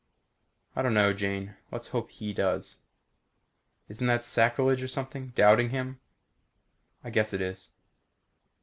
"I don't know, Jane. Let's hope He does." "Isn't that sacrilege or something? Doubting Him?" "I guess it is."